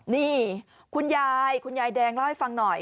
นี่คุณยายคุณยายแดงเล่าให้ฟังหน่อย